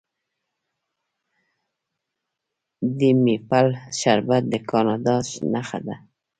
د میپل شربت د کاناډا نښه ده.